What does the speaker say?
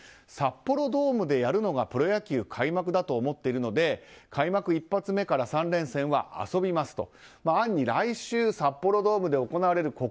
札幌ドームでやるのがプロ野球開幕だと思っているので開幕１発目から３連戦は遊びますと暗に来週、札幌ドームで行われる